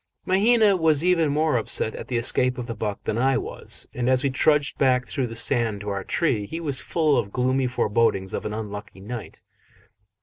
Mahina was even more upset at the escape of the buck than I was, and as we trudged back through the sand to our tree, he was full of gloomy forebodings of an unlucky night.